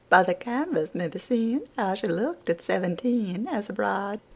By the canvas may be seenHow she look'd at seventeen, As a bride.